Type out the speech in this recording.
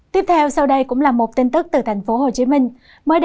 tiếp theo sau đây cũng là một tin tức từ tp hcm